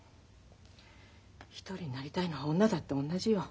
一人になりたいのは女だって同じよ。